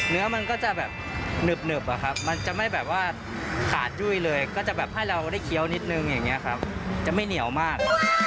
เนื้อมันก็จะแบบหนึบอะครับมันจะไม่แบบว่าขาดยุ่ยเลยก็จะแบบให้เราได้เคี้ยวนิดนึงอย่างนี้ครับจะไม่เหนียวมาก